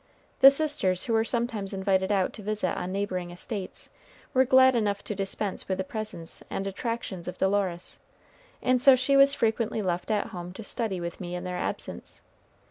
The sisters, who were sometimes invited out to visit on neighboring estates, were glad enough to dispense with the presence and attractions of Dolores, and so she was frequently left at home to study with me in their absence.